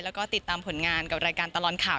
แล้วก็ติดตามผลงานกับรายการตลอดข่าว